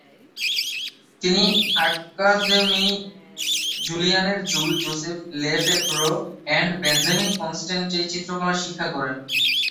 তিনি আকাদেমি জুলিয়ানের Jules Joseph Lefebvre and Benjamin কনস্ট্যান্ট-এ চিত্রকলা শিক্ষা করেন।